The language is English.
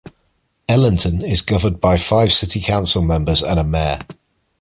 Ellenton is governed by five city council members and a mayor.